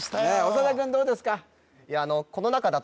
長田くんどうですか？